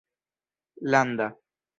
landa